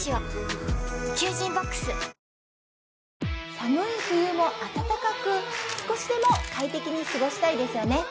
寒い冬も暖かく少しでも快適に過ごしたいですよね